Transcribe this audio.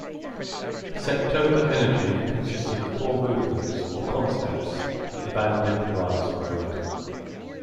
"Septober Energy" consisted of four movements, or "concepts" that the band improvised around.